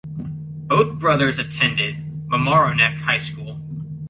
Both brothers attended Mamaroneck High School.